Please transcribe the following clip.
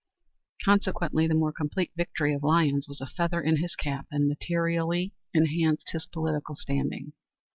Consequently the more complete victory of Lyons was a feather in his cap, and materially enhanced his political standing.